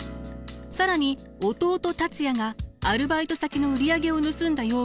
更に弟達也がアルバイト先の売り上げを盗んだ容疑で逮捕。